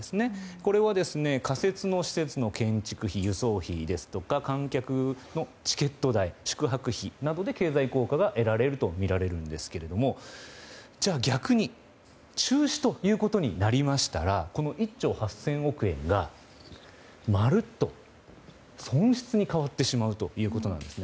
これは仮設の施設の建築費、輸送費ですとか観客のチケット代、宿泊費などで経済効果が得られるとみられますがじゃあ、逆に中止ということになりましたらこの１兆８０００億円が丸っと損失に変わってしまうということなんです。